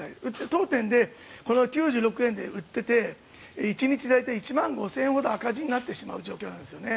当店で９６円で売っていて１日大体１万５０００円ほど赤字になってしまう状況なんですね。